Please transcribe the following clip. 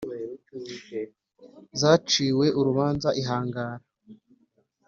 zaciwe urubanza ihangara